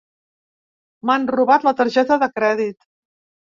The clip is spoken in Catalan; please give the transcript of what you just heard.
M'han robat la targeta de crèdit.